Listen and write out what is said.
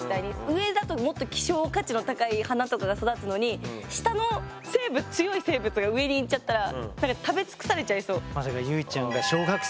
上だともっと希少価値の高い花とかが育つのに下の生物強い生物が上に行っちゃったら食べ尽くされちゃいそう。